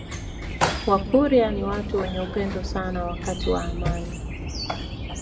Wakurya ni watu wenye upendo sana wakati wa amani